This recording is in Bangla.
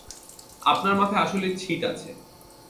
আপনার মাথায় আসলেই ছিট আছে।